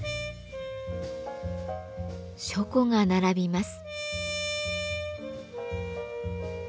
書庫が並びます。